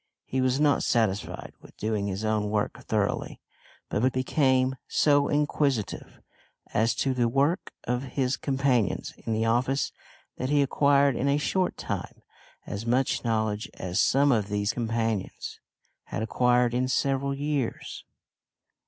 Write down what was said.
He was not satisfied with doing his own work thoroughly, but became so inquisitive as to the work of his companions in the office that he acquired in a short time as much knowledge as some of these companions had acquired in several years.